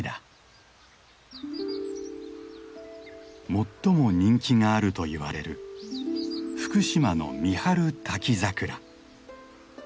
最も人気があるといわれる福島の三春滝桜。